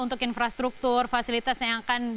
untuk infrastruktur fasilitas yang akan